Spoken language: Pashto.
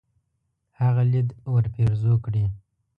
هغه ليد ورپېرزو کړي.